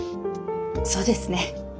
そうですね。